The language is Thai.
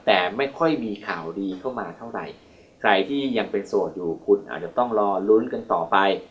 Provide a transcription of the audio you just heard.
แต่ไม่ค่อยมีข่าวดีเข้ามาเท่าไหร่ใครที่ยังเป็นโสดอยู่คุณอาจจะต้องรอลุ้นกันต่อไป